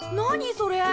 それ。